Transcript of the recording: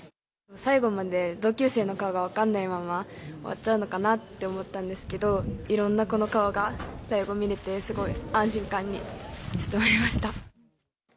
最後まで同級生の顔が分かんないまま終わっちゃうのかなと思ったんですけどいろんな子の顔が最後見れてすごい安心感に包まれました。